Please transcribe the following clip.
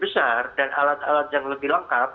besar dan alat alat yang lebih lengkap